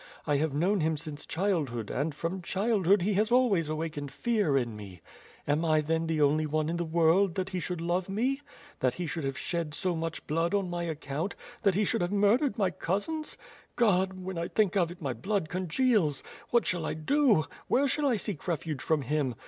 I have known him since childhood and from childhood he has always awakened fear in me. Am T then the only one in the world^ that he should love me: that 2^0 ^^^^^^^^^^^ SWORD. he should have shed so much blood on my account; that he should have murdered my cousins? .. God! when I think of it, my blood congeals. What shall 1 do; where seek refuge from him?